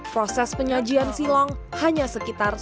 proses penyajian silong hanya sekitar sepuluh menit